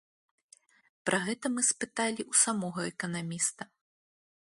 Пра гэта мы спыталі ў самога эканаміста.